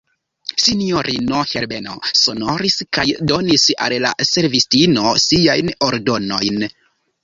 Sinjorino Herbeno sonoris, kaj donis al la servistino siajn ordonojn.